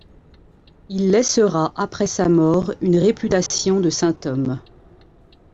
Il laissera après sa mort une réputation de saint homme.